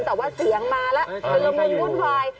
แต่ว่าเสียงมาแล้วชุดละมุนวุ่นวาย